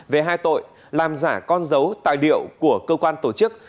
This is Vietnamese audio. về hai tội làm giả con dấu tài liệu của cơ quan tổ chức